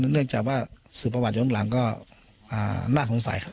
เนื่องจากว่าสื่อประวัติย้อนหลังก็น่าสงสัยครับ